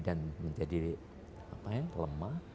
dan menjadi apa ya lemah